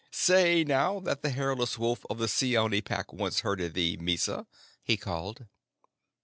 "Say now that the hairless wolf of the Seeonee Pack once herded thee, Mysa," he called.